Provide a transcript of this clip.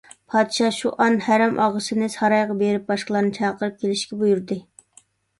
پادىشاھ شۇئان ھەرەمئاغىسىنى سارايغا بېرىپ باشقىلارنى چاقىرىپ كېلىشكە بۇيرۇدى.